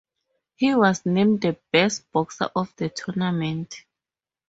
He was named the best boxer of the tournament.